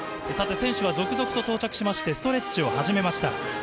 さて、選手は続々と到着しまして、ストレッチを始めました。